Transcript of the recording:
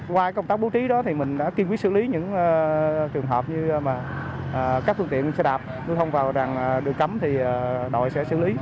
qua công tác bố trí đó thì mình đã kiên quyết xử lý những trường hợp như các phương tiện xe đạp lưu thông vào đường cấm thì đội sẽ xử lý